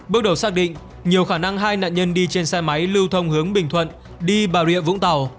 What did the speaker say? bước đầu xác định nhiều khả năng hai nạn nhân đi trên xe máy lưu thông hướng bình thuận đi bà rịa vũng tàu